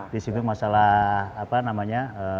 di situ masalah apa namanya